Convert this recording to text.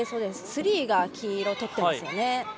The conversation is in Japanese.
スリーが黄色とっていますね。